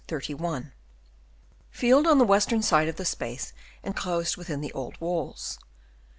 ..31 Field on the western side of the space enclosed within the old walls.